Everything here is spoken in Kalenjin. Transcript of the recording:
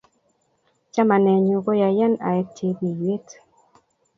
Chamanenyun koyayo aek chepiywet